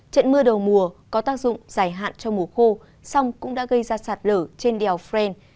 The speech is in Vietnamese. trận mưa đầu mùa có tác dụng giải hạn cho mùa khô song cũng đã gây ra sạt lở trên đèo fren